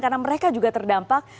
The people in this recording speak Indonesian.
karena mereka juga terdampak